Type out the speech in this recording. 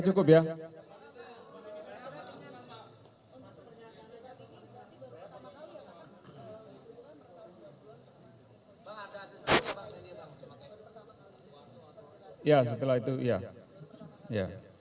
belum ada sementara